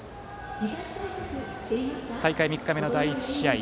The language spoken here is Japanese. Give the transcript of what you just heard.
大会３日目の第１試合